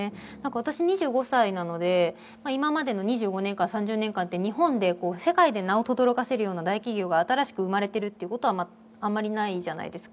私、２５歳なので今までの２５年間、３０年間って３０年間って、日本で、世界で名をとどろかせるような大企業が新しく生まれているということはあまりないじゃないですか。